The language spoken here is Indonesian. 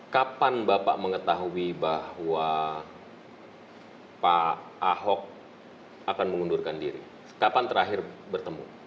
kapan bapak mengetahui bahwa pak ahok akan mengundurkan diri kapan terakhir bertemu